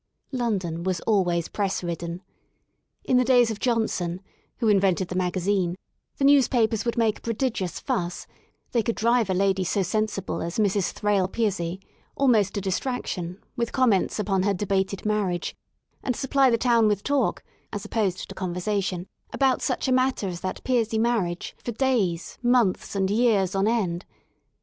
London was always press ridden. In the days of Johnson — who invented the Magazine^the News papers would make a prodigious fuss \ they could drive a lady so sensible as Mrs. Thrale Piozzi almost to dis traction, with comments upon her debated marriage, and supply the Town with Talk — as opposed to Conversa tion — about such a matter as that Piozzi marriage, for days, months and years on end.